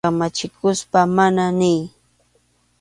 Kamachikuspa «mana» niy.